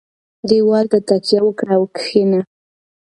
دېوال ته تکیه وکړه او کښېنه.